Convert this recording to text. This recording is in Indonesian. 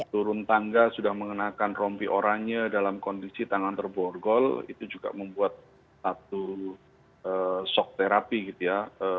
turun tangga sudah mengenakan rompi oranye dalam kondisi tangan terborgol itu juga membuat satu shock therapy gitu ya